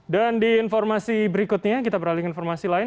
dan di informasi berikutnya kita beralih ke informasi lain